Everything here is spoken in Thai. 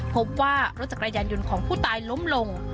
พบว่ารถจักรยานยนต์ของผู้ตายล้มลง